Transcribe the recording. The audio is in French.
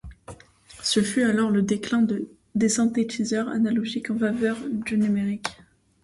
Ce fut alors le déclin des synthétiseurs analogiques en faveur du numérique.